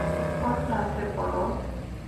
কোন ক্লাসে পড়ো?